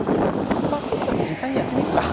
まっともかく実際にやってみようか。